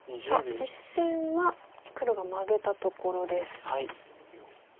実戦は黒がマゲたところです。